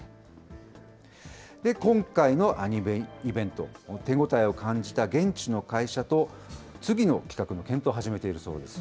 今回のアニメイベント、手応えを感じた現地の会社と、次の企画の検討を始めているそうです。